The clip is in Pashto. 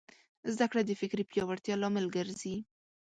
زدهکړه د فکري پیاوړتیا لامل ګرځي.